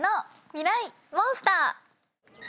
ミライ☆モンスター。